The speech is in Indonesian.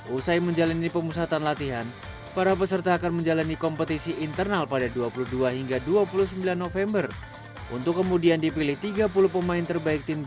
usai menjalani pemusatan latihan para peserta akan menjalani kompetisi internal pada dua puluh dua hingga dua puluh sembilan november untuk kemudian dipilih tiga puluh pemain terbaik tim